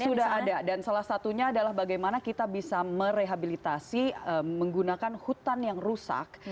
sudah ada dan salah satunya adalah bagaimana kita bisa merehabilitasi menggunakan hutan yang rusak